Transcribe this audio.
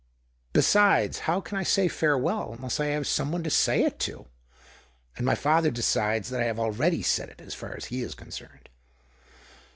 Besides, how can I say farewell unless I have some one to say it to ? And my father decides that THE OCTAVE OF CLAUDIUS. 117 r have already said it as far as he is con cerned."